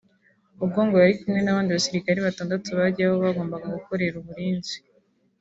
ubwo ngo yari kumwe n’abandi basirikare batandatu bagiye aho bagombaga gukorera uburinzi